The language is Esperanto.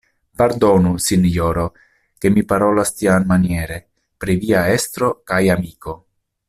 Pardonu, sinjoro, ke mi parolas tiamaniere pri via estro kaj amiko.